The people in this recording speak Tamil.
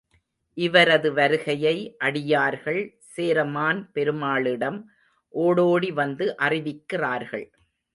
இவரது வருகையை, அடியார்கள் சேரமான் பெருமாளிடம் ஓடோடி வந்து அறிவிக்கிறார்கள்.